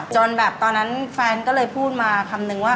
จนแบบตอนนั้นแฟนก็เลยพูดมาคำนึงว่า